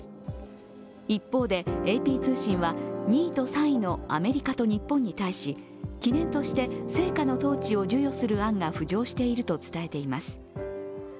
一方で、ＡＰ通信は２位と３位のアメリカと日本に対し記念として聖火のトーチを授与する案が浮上していると伝えています。